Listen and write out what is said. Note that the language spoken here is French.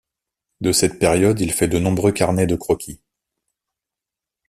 De cette période il fait de nombreux carnets de croquis.